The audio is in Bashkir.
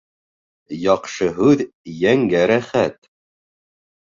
Яҡшы һүҙ йәнгә рәхәт